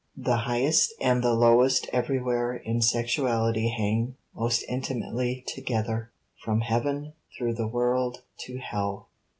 The highest and the lowest everywhere in sexuality hang most intimately together. ("From heaven through the world to hell.")